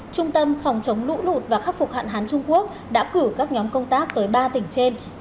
trung tâm phòng chống lũ lụt và khắc phục hạn hán trung quốc đã cử các nhóm công tác tới ba tỉnh trên để hỗ trợ việc chuẩn bị ứng phó với bão